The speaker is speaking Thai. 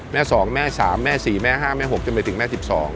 แม่๒แม่๓แม่๔แม่๕แม่๖จนไปถึงแม่๑๒